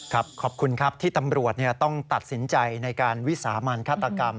ขอบคุณครับที่ตำรวจต้องตัดสินใจในการวิสามันฆาตกรรม